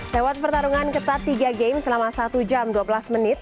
lewat pertarungan ketat tiga game selama satu jam dua belas menit